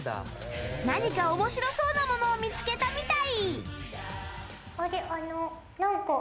何か面白そうなものを見つけたみたい。